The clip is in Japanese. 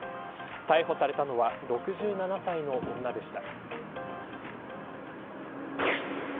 逮捕されたのは６７歳の女でした。